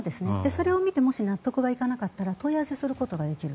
それを見てもし納得できなかったら問い合わせすることができる。